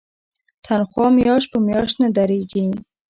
تنخوا میاشت په میاشت نه دریږي.